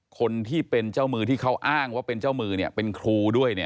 คนที่เป็นเจ้ามือที่เขาอ้างว่าเป็นเจ้ามือเป็นครูด้วย